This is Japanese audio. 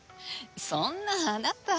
そんなあなた。